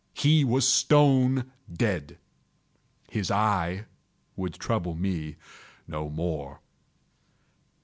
He was stone dead. His eye would trouble me no more.